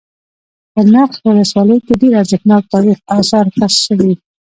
په نرخ ولسوالۍ كې ډېر ارزښتناك تاريخ آثار كشف شوي